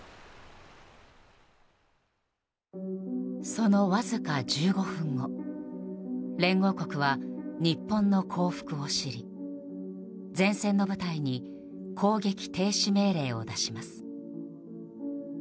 そのわずか１５分後連合国は日本の降伏を知り前線の部隊に攻撃停止命令を出します。